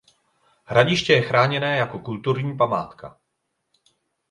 Hradiště je chráněné jako kulturní památka.